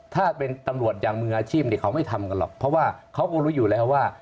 ถ้าเป็นตำรวจอย่างมืออาชีพเขาไม่ทำกันหรอกเพราะว่าเขาก็รู้อยู่แล้วว่า